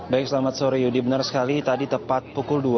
baik selamat sore yudi benar sekali tadi tepat pukul dua